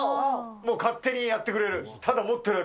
もう勝手にやってくれる。